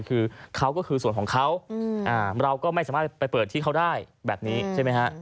คือเขาก็คือส่วนของเขาเราก็ไม่สามารถไปเปิดที่เขาได้แบบนี้ใช่ไหมฮะ